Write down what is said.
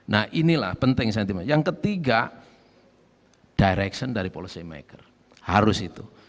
nah inilah penting sentimen yang ketiga direction dari policy maker harus itu